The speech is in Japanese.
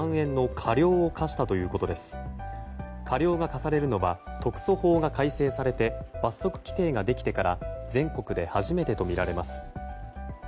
過料が科されるのは特措法が改定されて罰則規定ができてから全国で初めてとみられます。